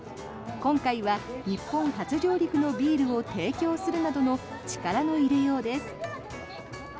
今回は日本初上陸のビールを提供するなどの力の入れようです。